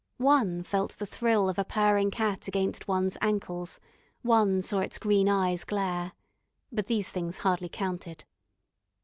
One felt the thrill of a purring cat against one's ankles, one saw its green eyes glare. But these things hardly counted.